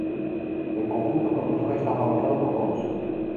El conjunto propulsor está fabricado por Bosch.